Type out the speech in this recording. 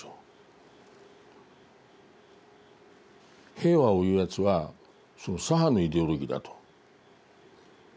平和を言うやつはその左派のイデオロギーだと。